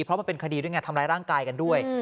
เพราะมันเป็นคดีด้วยไงทำร้ายร่างกายกันด้วย